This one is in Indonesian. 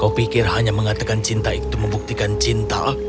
kau pikir hanya mengatakan cinta itu membuktikan cinta